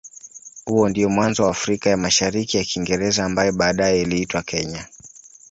Huo ndio mwanzo wa Afrika ya Mashariki ya Kiingereza ambaye baadaye iliitwa Kenya.